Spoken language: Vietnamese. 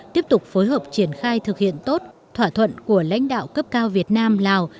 tiếp tục phối hợp triển khai thực hiện tốt thỏa thuận của lãnh đạo cấp cao việt nam lào